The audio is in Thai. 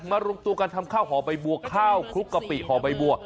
รวมตัวกันทำข้าวห่อใบบัวข้าวคลุกกะปิห่อใบบัว